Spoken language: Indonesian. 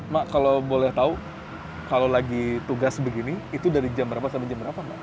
mak kalau boleh tahu kalau lagi tugas begini itu dari jam berapa sampai jam berapa mbak